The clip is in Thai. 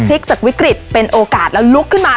จากวิกฤตเป็นโอกาสแล้วลุกขึ้นมา